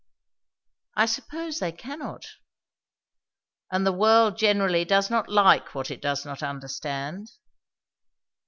"I suppose they cannot." "And the world generally does not like what it does not understand."